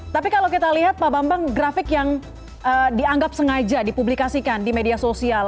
tapi kalau kita lihat pak bambang grafik yang dianggap sengaja dipublikasikan di media sosial